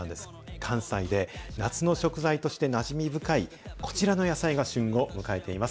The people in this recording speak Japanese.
関西で夏の食材としてなじみ深い、こちらの野菜が旬を迎えています。